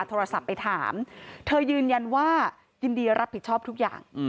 โทรศัพท์ไปถามเธอยืนยันว่ายินดีรับผิดชอบทุกอย่าง